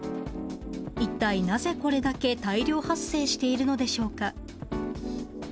一体なぜこれだけ大量発生しているのでしょうか。